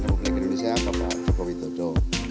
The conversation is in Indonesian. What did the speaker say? republik indonesia bapak jokowi toto